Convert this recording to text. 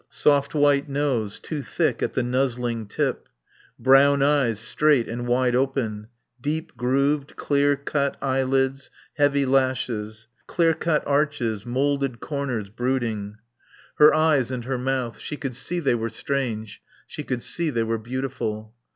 Soft white nose, too thick at the nuzzling tip. Brown eyes straight and wide open. Deep grooved, clear cut eyelids, heavy lashes. Mouth clear cut arches, moulded corners, brooding. Her eyes and her mouth. She could see they were strange. She could see they were beautiful.